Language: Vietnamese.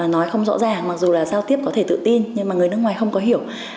nói không rõ ràng mặc dù là giao tiếp có thể tự tin nhưng mà người nước ngoài không có hiểu